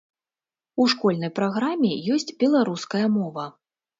У школьнай праграме ёсць беларуская мова.